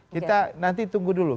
kita nanti tunggu dulu